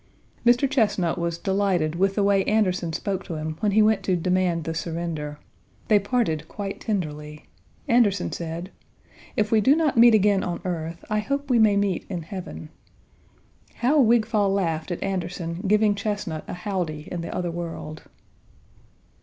Mr. Chesnut was delighted with the way Anderson spoke to him when he went to demand the surrender. They parted quite tenderly. Anderson said: "If we do not meet again on earth, I hope we may meet in Heaven." How Wigfall laughed at Anderson "giving Chesnut a howdy in the other world!"